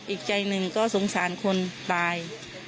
อีกใจหนึ่งก็สงสารคนตาย